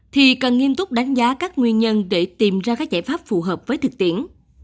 thì cần nghiêm túc đánh giá các nguyên nhân để tìm ra các giải pháp phù hợp với thực tiễn